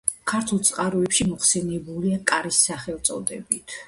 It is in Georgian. ქართულ წყაროებში მოხსენიებულია „კარის“ სახელწოდებით.